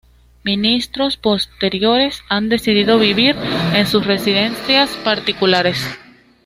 Ministros posteriores han decidido vivir en sus residencias particulares.